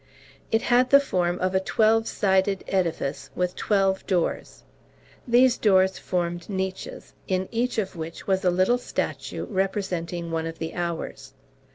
It had the form of a twelve sided edifice with twelve doors. These doors formed niches, in each of which was a little statue representing one of the hours.